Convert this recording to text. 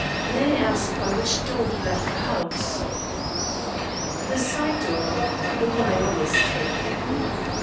"May I ask by which door you left the house?" "The side door the one I always take."